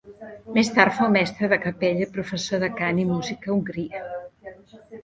Més tard fou mestre de capella i professor de cant i música a Hongria.